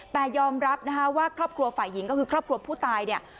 แต่ยอมรับนะคะว่าครอบครัวฝ่ายหญิงก็คือครอบครัวผู้ตายเนี่ย